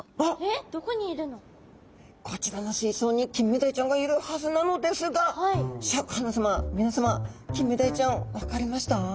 こちらの水槽にキンメダイちゃんがいるはずなのですがシャーク香音さま皆さまキンメダイちゃん分かりました？